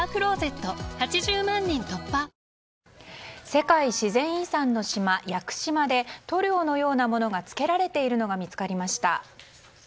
世界自然遺産の島、屋久島で塗料のようなものが付けられているのが見つかりました。